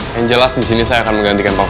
yang jelas disini saya akan menggantikan papa saya